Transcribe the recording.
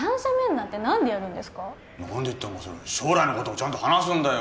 なんでってお前それは将来のことをちゃんと話すんだよ。